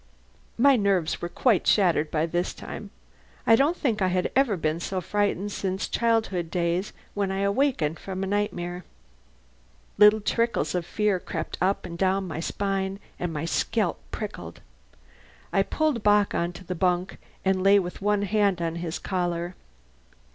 My nerves were quite shattered by this time. I don't think I had been so frightened since childhood days when I awakened from a nightmare. Little trickles of fear crept up and down my spine and my scalp prickled. I pulled Bock on the bunk, and lay with one hand on his collar.